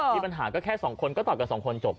มีปัญหาก็แค่สองคนก็ต่อยกันสองคนจบ